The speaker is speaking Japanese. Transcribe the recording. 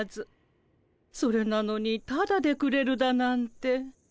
それなのにタダでくれるだなんて。